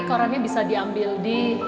korannya bisa diambil di